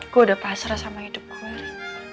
gue udah pasrah sama hidup gue rik